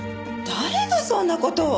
誰がそんな事を！？